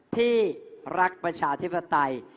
ที่รักประชาธิปไตย